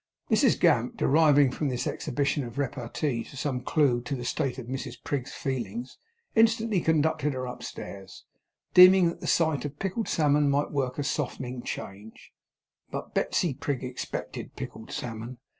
Mrs Gamp, deriving from this exhibition of repartee some clue to the state of Mrs Prig's feelings, instantly conducted her upstairs; deeming that the sight of pickled salmon might work a softening change. But Betsey Prig expected pickled salmon.